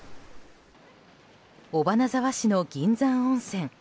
尾花沢市の銀山温泉。